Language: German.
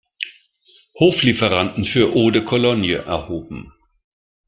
Hoflieferanten für Eau de Cologne erhoben.